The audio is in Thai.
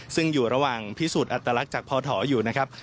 ซึ่งอยู่ระหว่างพิสูจน์อัตลักษณ์จากพอถออยู่นะครับ